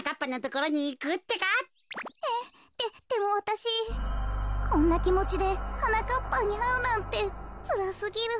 こころのこえこんなきもちではなかっぱんにあうなんてつらすぎる。